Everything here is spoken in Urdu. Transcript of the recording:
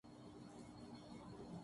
اب میں یہ مزید برداشت نہیں کرسکتا